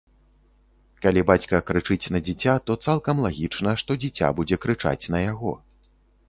Калі бацька крычыць на дзіця, то цалкам лагічна, што дзіця будзе крычаць на яго.